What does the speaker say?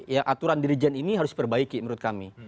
ya aturan dirijen ini harus diperbaiki menurut kami